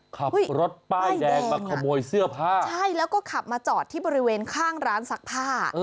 ขับรถป้ายแดงมาขโมยเสื้อผ้าใช่แล้วก็ขับมาจอดที่บริเวณข้างร้านซักผ้า